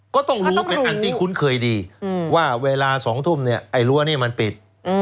ก็ต้องรู้เป็นอันที่คุ้นเคยดีว่าเวลา๒ทุ่มเนี่ยไอ้รั้วนี่มันปิด